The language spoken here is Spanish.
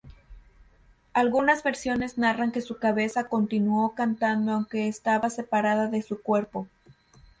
Algunas versiones narran que su cabeza continuó cantando aunque estaba separada de su cuerpo.